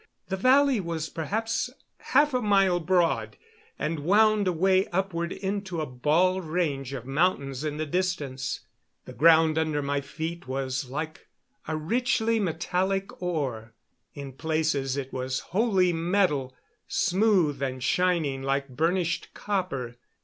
The valley was perhaps half a mile broad, and wound away upward into a bald range of mountains in the distance. The ground under my feet was like a richly metallic ore. In places it was wholly metal, smooth and shining like burnished copper.